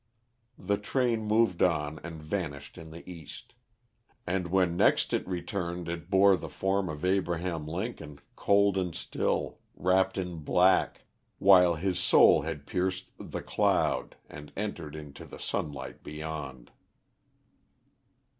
The train moved on and vanished in the East; and when next it returned it bore the form of Abraham Lincoln, cold and still, wrapped in black; while his soul had pierced "the cloud" and entered into the sunlight beyond.